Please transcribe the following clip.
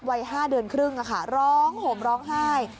วัย๕เดือนครึ่งร้องห่มร้องไห้